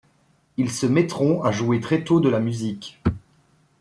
Ils se mettront à jouer très tôt de la musique.